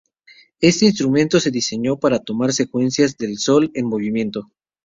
Este instrumento se diseñó para tomar secuencias del sol en movimiento.